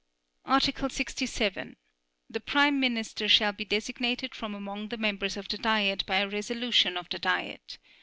Article 67. The Prime Minister shall be designated from among the members of the Diet by a resolution of the Diet.